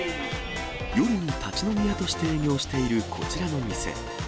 夜に立ち飲み屋として営業しているこちらの店。